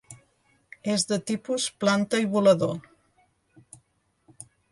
És de tipus planta i volador.